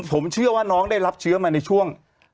ผมเชื่อว่าน้องได้รับเชื้อมาในช่วง